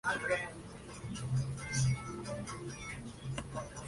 El mejor español volvió a ser el catalán Juan Antonio Flecha.